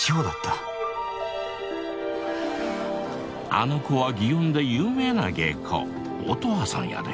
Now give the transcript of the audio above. あの子は園で有名な芸妓乙十葉さんやで。